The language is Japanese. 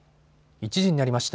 １時になりました。